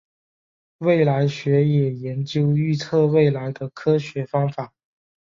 未来学也研究预测未来的科学方法。